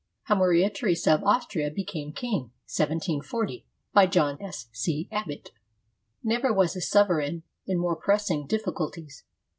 HOW MARIA THERESA OF AUSTRIA BECAME KING BY JOHN S. C. ABBOTT [Never was a sovereign in more pressing diflSculties.